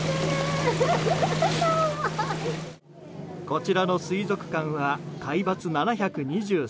こちらの水族館は海抜７２３ｍ。